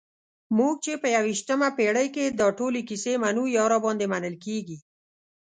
موږ چې په یویشتمه پېړۍ کې دا ټولې کیسې منو یا راباندې منل کېږي.